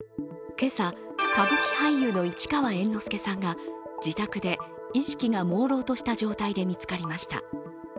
今朝、歌舞伎俳優の市川猿之助さんが自宅で意識がもうろうとした状態で見つかりました。